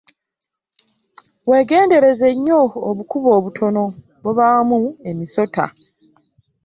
Weegendereze nnyo obukubo obutono bubaamu emisota.